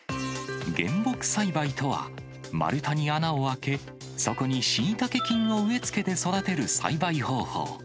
原木栽培とは、丸太に穴を開け、そこにシイタケ菌を植え付けて育てる栽培方法。